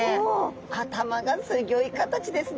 頭がすギョい形ですね！